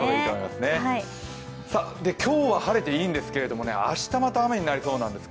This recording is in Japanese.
今日は晴れていいんですけれども、明日また雨になりそうなんです。